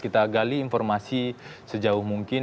kita gali informasi sejauh mungkin